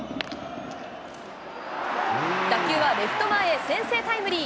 打球はレフト前へ先制タイムリー。